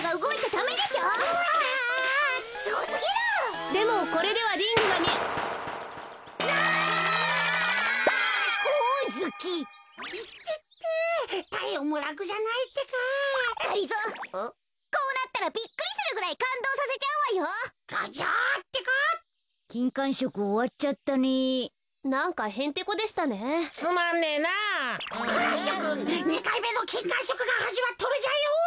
２かいめのきんかんしょくがはじまっとるじゃよ。